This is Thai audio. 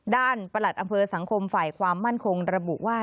ประหลัดอำเภอสังคมฝ่ายความมั่นคงระบุว่า